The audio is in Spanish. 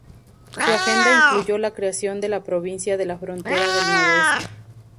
Su agenda incluyó la creación de la Provincia de la Frontera del Noroeste.